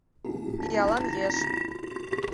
Пиалан еш...